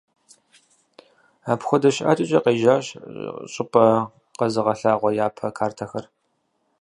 Апхуэдэ щӀыкӀэкӀэ къежьащ щӀыпӀэ къэзыгъэлъагъуэ япэ картэхэр.